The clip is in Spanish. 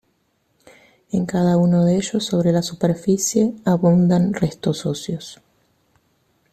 En cada uno de ellos, sobre la superficie, abundan restos óseos.